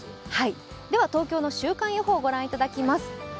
では、東京の週間予報を御覧いただきます。